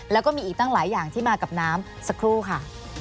แล้วก็มีอีกตั้งหลายอย่างที่มากับน้ำสักครู่ค่ะ